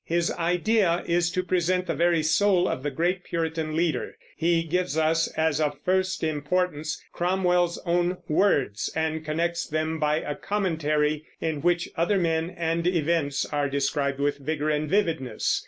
His idea is to present the very soul of the great Puritan leader. He gives us, as of first importance, Cromwell's own words, and connects them by a commentary in which other men and events are described with vigor and vividness.